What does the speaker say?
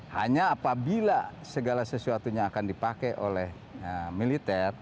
hanya apabila segala sesuatunya akan dipakai oleh militer